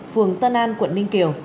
phường tân an quận ninh kiều